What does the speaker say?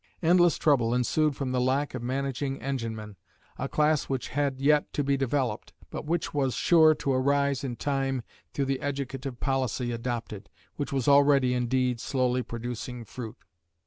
Endless trouble ensued from the lack of managing enginemen, a class which had yet to be developed, but which was sure to arise in time through the educative policy adopted, which was already indeed slowly producing fruit.